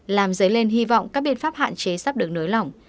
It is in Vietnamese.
làm dấy lên hy vọng các biện pháp hạn chế sắp được nới lỏng